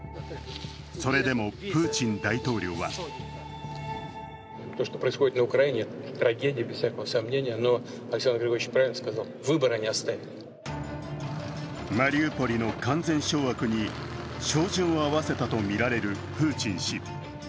それでもプーチン大統領はマリウポリの完全掌握に照準を合わせたとみられるプーチン氏。